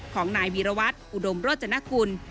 ของนายวีรวัตรอุดมโรจนกุล